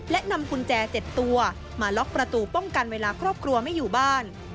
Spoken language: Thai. และล็อกประตูป้องกันเวลาครอบครัวไม่อยู่บ้าน